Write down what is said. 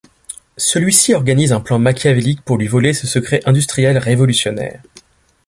Celui-ci organise un plan machiavélique pour lui voler ce secret industriel révolutionnaire.